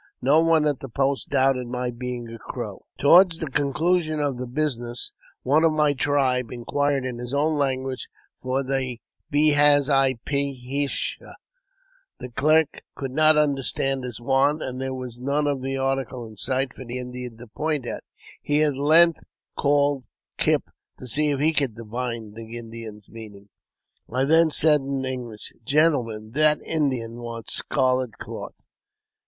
No one at the post doubted my being a Crow. Toward the con clusion of the business, one of my tribe inquired in his own language for " be has i pe hish a." The clerk could not under stand his want, and there was none of the article in sight for the Indian to point out. He at length called Kipp to see if he could divine the Indian's meaning. I then said in English, " Gentlemen, that Indian wants scarlet cloth."